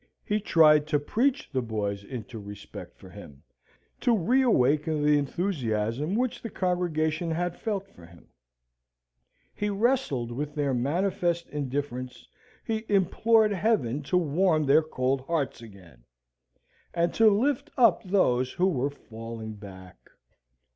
He tried to preach the boys into respect for him, to reawaken the enthusiasm which the congregation had felt for him; he wrestled with their manifest indifference, he implored Heaven to warm their cold hearts again, and to lift up those who were falling back.